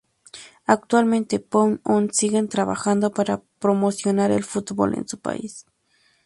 Actualmente, Pue-on sigue trabajando para promocionar el fútbol en su país.